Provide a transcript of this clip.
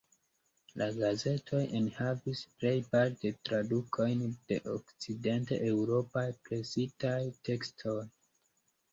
La gazetoj enhavis plejparte tradukojn de okcident-eŭropaj presitaj tekstoj.